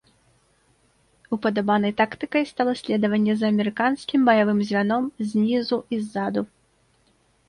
Упадабанай тактыкай стала следаванне за амерыканскім баявым звяном знізу і ззаду.